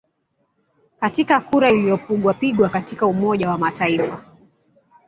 katika kura iliyopugwa pigwa katika umoja wa mataifa